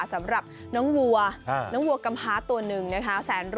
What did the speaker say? สำหรับน้องวัวน้องวัวกำพาตัวหนึ่งนะคะ